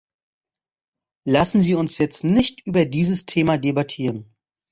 Lassen Sie uns jetzt nicht über dieses Thema debattieren.